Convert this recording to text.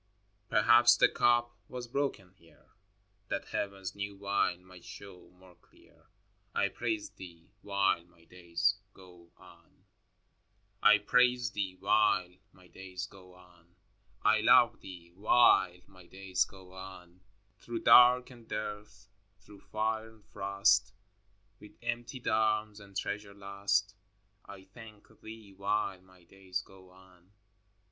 Perhaps the cup was broken here, That Heaven's new wine might show more clear. I praise Thee while my days go on. LOVED ONCE. 21 XXIII. I praise Thee while my days go on; I love Thee while my days go on: Through dark and dearth, through fire and frost, With emptied arms and treasure lost, I thank Thee while my days go on.